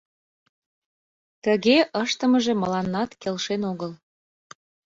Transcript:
Тыге ыштымыже мыланнат келшен огыл.